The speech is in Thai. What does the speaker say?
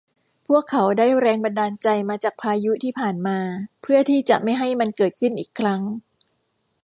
พวกเขาได้แรงบันดาลใจมาจากพายุที่ผ่านมา เพื่อที่จะไม่ให้มันเกิดขึ้นอีกครั้ง